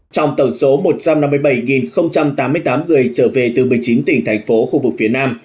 trong tổng số một trăm năm mươi bảy tám mươi tám người trở về từ một mươi chín tỉnh thành phố khu vực phía nam